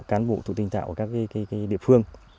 cán bộ thủ tinh tạo của các địa phương